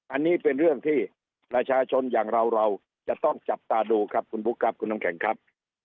อันนี้เป็นเรื่องที่ประชาชนอย่างเราเราจะต้องจับตาดูครับคุณบุ๊คครับคุณน้ำแข็งครับ